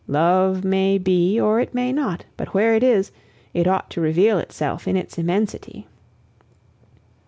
Love may be or it may not, but where it is, it ought to reveal itself in its immensity.